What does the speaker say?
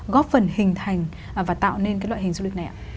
góp phần hình thành và tạo nên cái loại hình du lịch này ạ